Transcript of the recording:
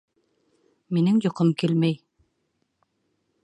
Минең йоҡом килмәй